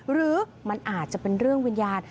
หรือมันอาจจะเป็นเรื่องวิญญาณ